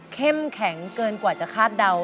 แข็งเกินกว่าจะคาดเดา